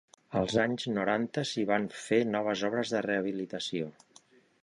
Als anys noranta s'hi van fer noves obres de rehabilitació.